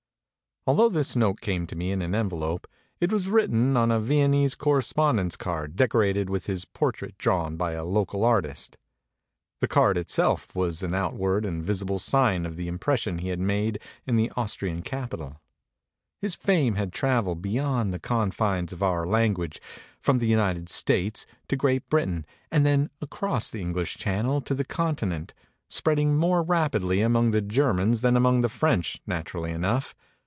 Although this note came to me in an envelope, it was written on a Viennese correspondence card decorated with his portrait drawn by a local artist. The card itself was an outward and visi ble sign of the impression he had made in the Austrian capital. His fame had travelled be yond the confines of our language, from the United States to Great Britain and then across the English Channel to the Continent, spreading more rapidly among the Germans than among 286 MEMORIES OF MARK TWAIN the French, naturally enough.